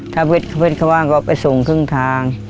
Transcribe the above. ถ้าเวทเขาว่างก็ไปส่งครึ่งทาง